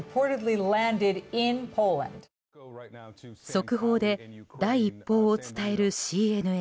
速報で第１報を伝えるＣＮＮ。